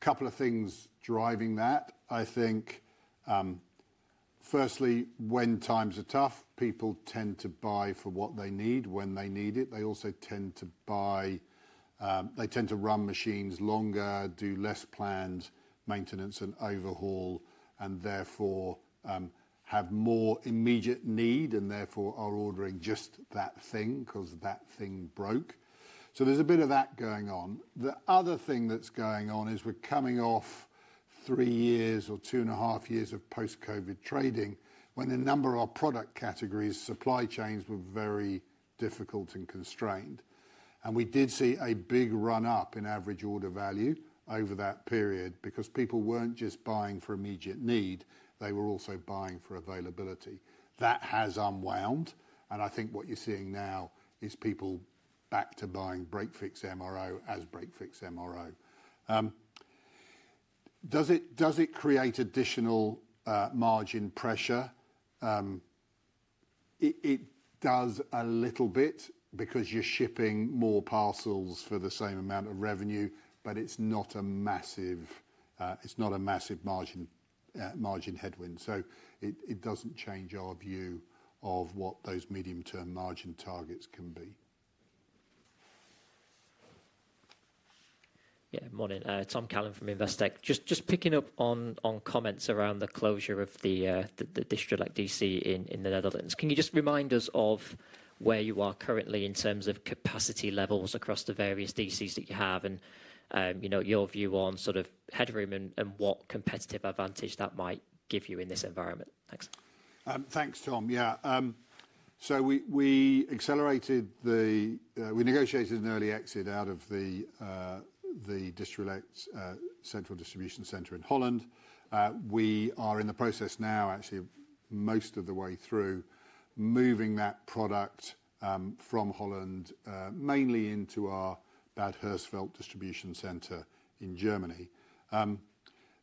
couple of things driving that, I think, firstly, when times are tough, people tend to buy for what they need when they need it. They also tend to buy, they tend to run machines longer, do less planned maintenance and overhaul, and therefore, have more immediate need, and therefore are ordering just that thing because that thing broke. There is a bit of that going on. The other thing that's going on is we're coming off three years or two and a half years of post-COVID trading when a number of our product categories, supply chains were very difficult and constrained. We did see a big run-up in average order value over that period because people weren't just buying for immediate need, they were also buying for availability. That has unwound. I think what you're seeing now is people back to buying break fix MRO as break fix MRO. Does it create additional margin pressure? It does a little bit because you're shipping more parcels for the same amount of revenue, but it's not a massive, it's not a massive margin headwind. It doesn't change our view of what those medium term margin targets can be. Yeah. Morning. Tom Callan from Investec. Just picking up on comments around the closure of the Distrelec DC in the Netherlands. Can you just remind us of where you are currently in terms of capacity levels across the various DCs that you have and, you know, your view on sort of headroom and what competitive advantage that might give you in this environment? Thanks. Thanks, Tom. Yeah, so we accelerated the, we negotiated an early exit out of the Distrelec central distribution center in Holland. We are in the process now, actually most of the way through moving that product from Holland, mainly into our Bad Hersfeld distribution center in Germany.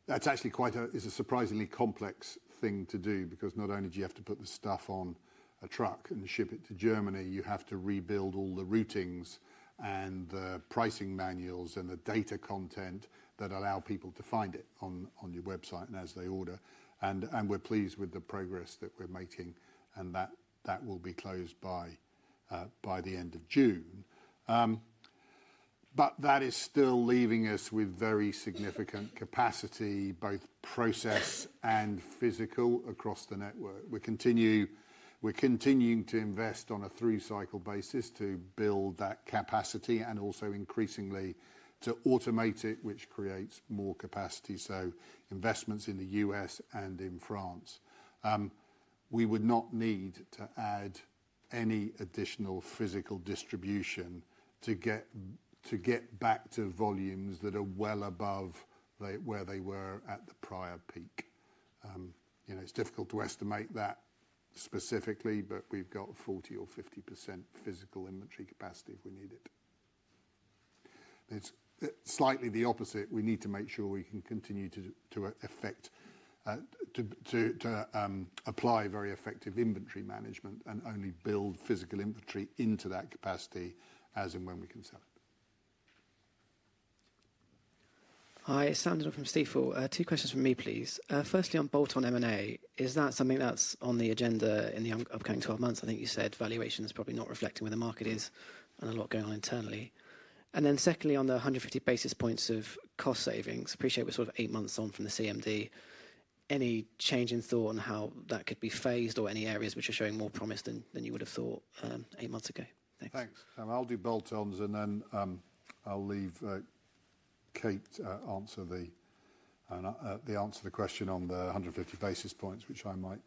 That's actually quite a, is a surprisingly complex thing to do because not only do you have to put the stuff on a truck and ship it to Germany, you have to rebuild all the routings and the pricing manuals and the data content that allow people to find it on your website as they order. We're pleased with the progress that we're making and that will be closed by the end of June. That is still leaving us with very significant capacity, both process and physical, across the network. We continue, we're continuing to invest on a three cycle basis to build that capacity and also increasingly to automate it, which creates more capacity. Investments in the US and in France. We would not need to add any additional physical distribution to get back to volumes that are well above where they were at the prior peak. You know, it's difficult to estimate that specifically, but we've got 40%-50% physical inventory capacity if we need it. It's slightly the opposite. We need to make sure we can continue to effect, to apply very effective inventory management and only build physical inventory into that capacity as and when we can sell it. Hi, Sandra from Stifel. Two questions from me, please. Firstly on bolt-on M&A, is that something that's on the agenda in the upcoming 12 months? I think you said valuation is probably not reflecting where the market is and a lot going on internally. And then secondly, on the 150 basis points of cost savings, appreciate we're sort of eight months on from the CMD. Any change in thought on how that could be phased or any areas which are showing more promise than, than you would've thought, eight months ago? Thanks. Thanks. I'll do bolt-ons and then I'll leave Kate to answer the answer to the question on the 150 basis points, which I might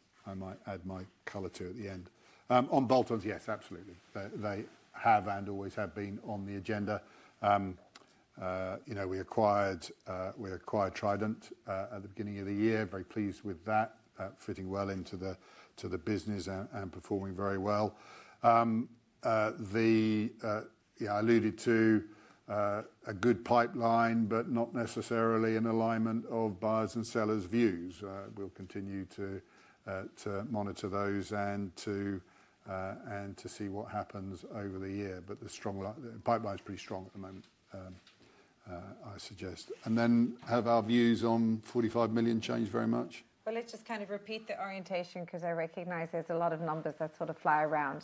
add my color to at the end. On bolt-ons, yes, absolutely. They have and always have been on the agenda. You know, we acquired Trident at the beginning of the year. Very pleased with that, fitting well into the business and performing very well. Yeah, I alluded to a good pipeline, but not necessarily an alignment of buyers and sellers' views. We'll continue to monitor those and to see what happens over the year. The strong pipeline's pretty strong at the moment, I suggest. Have our views on 45 million changed very much? Let's just kind of repeat the orientation because I recognize there's a lot of numbers that sort of fly around.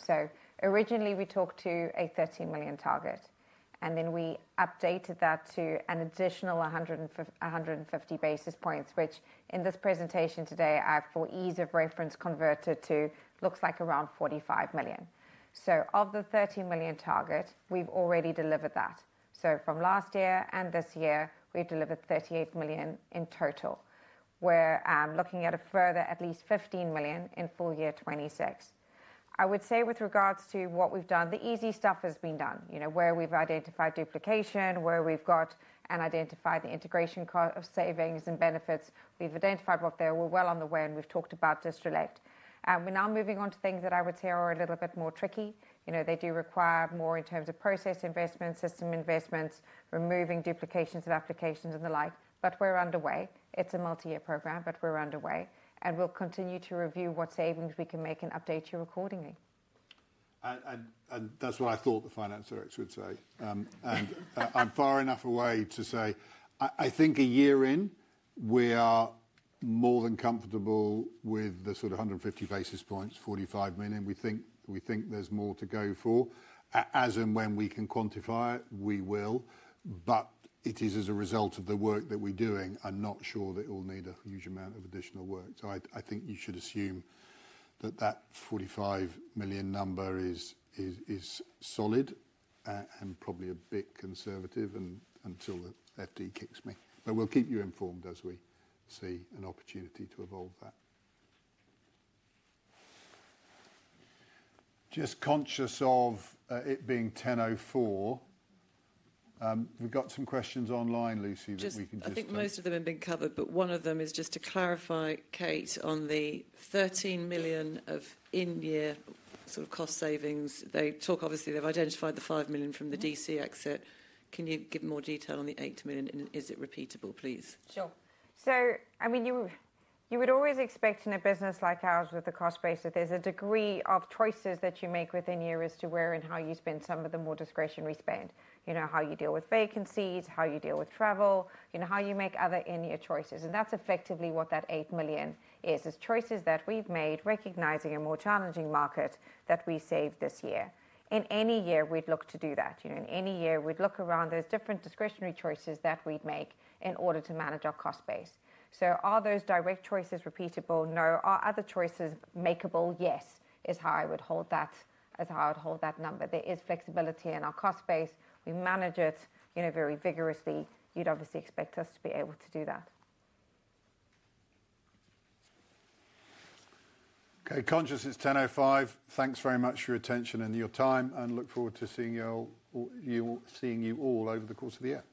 Originally, we talked to a 13 million target and then we updated that to an additional 100-150 basis points, which in this presentation today I, for ease of reference, converted to looks like around 45 million. Of the 13 million target, we've already delivered that. From last year and this year, we've delivered 38 million in total. We're looking at a further at least 15 million in full-year 2026. I would say with regards to what we've done, the easy stuff has been done, you know, where we've identified duplication, where we've got and identified the integration cost of savings and benefits. We've identified what they were well on the way and we've talked about Distrelec. We're now moving on to things that I would say are a little bit more tricky. You know, they do require more in terms of process investment, system investments, removing duplications of applications and the like. We're underway. It's a multi-year program, but we're underway and we'll continue to review what savings we can make and update you accordingly. That's what I thought the Finance Director would say. I'm far enough away to say I think a year in we are more than comfortable with the sort of 150 basis points, 45 million. We think there's more to go for, as in when we can quantify it, we will. It is as a result of the work that we're doing. I'm not sure that it will need a huge amount of additional work. I think you should assume that that 45 million number is solid, and probably a bit conservative until the FD kicks me. We'll keep you informed as we see an opportunity to evolve that. Just conscious of it being 10:04 A.M., we've got some questions online, Lucy, that we can just, I think most of them have been covered, but one of them is just to clarify, Kate, on the 13 million of in-year sort of cost savings. They talk, obviously they've identified the 5 million from the DC exit. Can you give more detail on the 8 million and is it repeatable, please? Sure. I mean, you would always expect in a business like ours with the cost base, there is a degree of choices that you make within years to where and how you spend some of the more discretionary spend. You know, how you deal with vacancies, how you deal with travel, you know, how you make other in-year choices. That is effectively what that 8 million is, choices that we have made recognizing a more challenging market that we saved this year. In any year, we would look to do that. In any year, we would look around those different discretionary choices that we would make in order to manage our cost base. Are those direct choices repeatable? No. Are other choices makeable? Yes. Is how I would hold that, is how I would hold that number. There is flexibility in our cost base. We manage it, you know, very vigorously. You'd obviously expect us to be able to do that. Okay. Conscious it is 10:05 A.M. Thanks very much for your attention and your time, and look forward to seeing you all over the course of the year. Thank you.